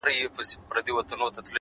نظم د هدفونو ساتونکی دی؛